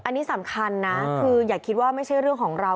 อันนี้สำคัญนะคืออย่าคิดว่าไม่ใช่เรื่องของเรา